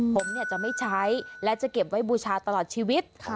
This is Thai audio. ผมจะไม่ใช้และจะเก็บไว้บูชาตลอดชีวิต